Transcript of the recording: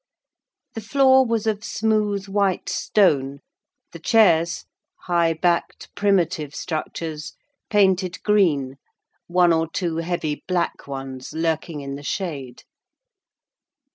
The floor was of smooth, white stone; the chairs, high backed, primitive structures, painted green: one or two heavy black ones lurking in the shade.